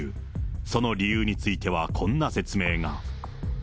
その理由についてはこんな説明が。